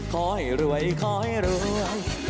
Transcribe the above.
คอยรวยคอยรวย